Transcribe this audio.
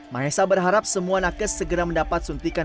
mahesa berharap semua nakes segera mendapat suntikan